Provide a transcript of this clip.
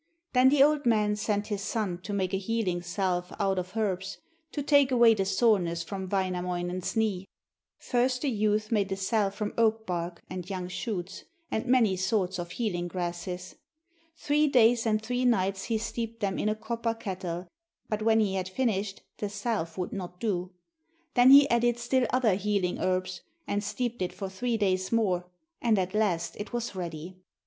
Then the old man sent his son to make a healing salve out of herbs, to take away the soreness from Wainamoinen's knee. First the youth made a salve from oak bark and young shoots, and many sorts of healing grasses. Three days and three nights he steeped them in a copper kettle, but when he had finished the salve would not do. Then he added still other healing herbs, and steeped it for three days more, and at last it was ready.